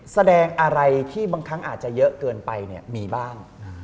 แสดงอะไรที่บางครั้งอาจจะเยอะเกินไปมีบ้าง